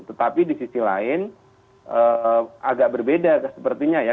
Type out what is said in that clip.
tetapi di sisi lain agak berbeda sepertinya ya